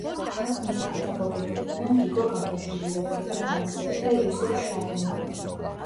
აქ მისი პედაგოგები იყვნენ გიგო გაბაშვილი, ევგენი ლანსერე და იოსებ შარლემანი.